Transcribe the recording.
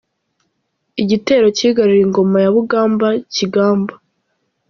Igitero cyigaruriye Ingoma ya Bugamba - Kigamba.